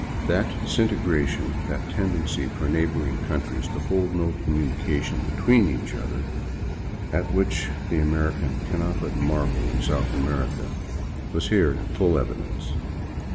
That disintegration, that tendency for neighboring countries to hold no comunication be tween each other, at which the American cannot but marvel in South America, was here in full evidence.